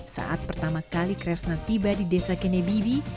saat pertama kali kresna tiba di desa kinibibi